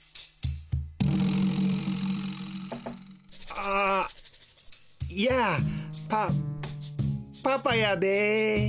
あやあパパパやで。